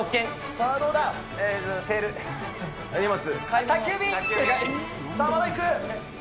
さあまだいく。